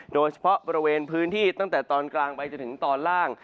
โดยเฉพาะบริเวณพื้นที่ตั้งแต่ตอนกลางไปจนถึงตอนล่าง